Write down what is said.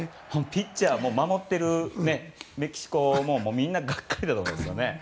ピッチャーも守っているメキシコもみんながっかりだと思いますね。